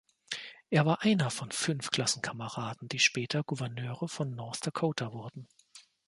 Er war einer von fünf Klassenkameraden, die später Gouverneure von North Dakota wurden.